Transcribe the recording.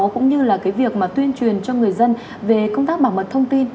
cũng như là việc tuyên truyền cho người dân về công tác bảo mật thông tin